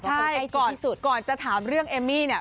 เพราะเขาใกล้ชิดที่สุดใช่ก่อนจะถามเรื่องเอมมี่เนี่ย